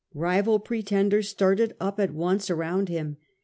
Rival pretenders started up at once around him.